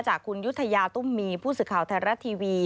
จากคุณยุธยาตุ้มมีผู้สื่อข่าวไทยรัฐทีวี